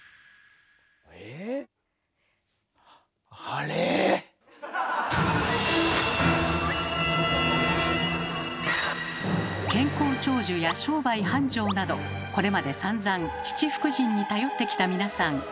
あれー⁉健康長寿や商売繁盛などこれまでさんざん七福神に頼ってきた皆さん。